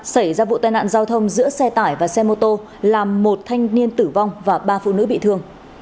xảy ra vụ tai nạn giao thông giữa xe tải và xe mô tô làm một thanh niên tử vong và ba phụ nữ bị thương